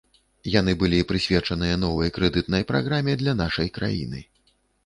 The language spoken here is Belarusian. Яны былі прысвечаныя новай крэдытнай праграме для нашай краіны.